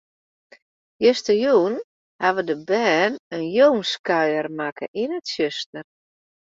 Justerjûn hawwe de bern in jûnskuier makke yn it tsjuster.